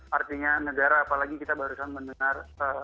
artinya negara apalagi kita baru saja mendengar